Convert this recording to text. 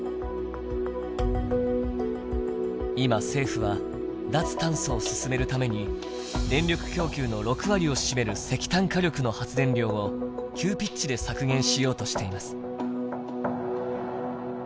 今政府は脱炭素を進めるために電力供給の６割を占める石炭火力の発電量を急ピッチで削減しようとしています。